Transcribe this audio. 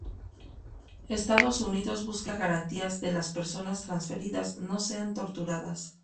Estados Unidos busca garantías de las personas transferidas no sean torturadas".